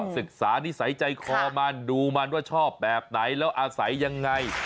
ศึกษานิสัยใจคอมันดูมันว่าชอบแบบไหนแล้วอาศัยยังไง